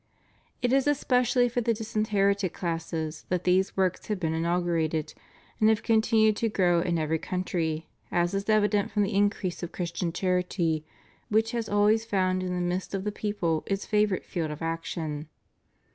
It is especially for the disinherited classes that these works have been inaugurated, and have continued to grow in every country, as is evident from the increase of Christian charity which has always found in the midst of the people its favorite field of action.